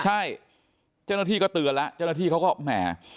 ใช่เจ้าหน้าที่ก็เตือนแล้วเจ้าหน้าที่เขาก็แหม